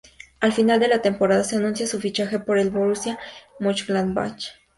Al final de la temporada, se anunció su fichaje por el Borussia Mönchengladbach.